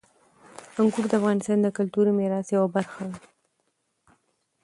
انګور د افغانستان د کلتوري میراث یوه برخه ده.